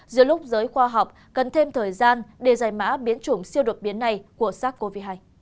giữa lúc giới khoa học cần thêm thời gian để giải mã biến chủng siêu đột biến này của sars cov hai